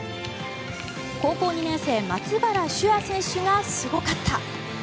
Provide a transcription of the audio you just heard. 高校２年生、松原柊亜選手がすごかった。